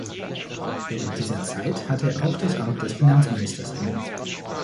Während dieser Zeit hatte er auch das Amt des Finanzministers inne.